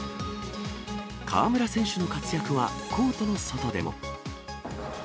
河村選手の活躍はコートの外でも。